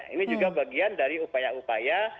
ini juga bagian dari upaya upaya